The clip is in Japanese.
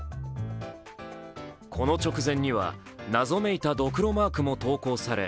この直前には、謎めいたドクロマークも投稿され